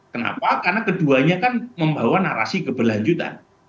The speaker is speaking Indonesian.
kenapa karena keduanya kan membawa narasi keberlanjutan